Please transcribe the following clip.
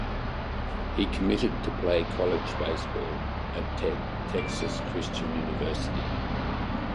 He committed to play college baseball at Texas Christian University.